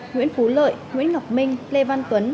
nguyễn phú lợi nguyễn ngọc minh lê văn tuấn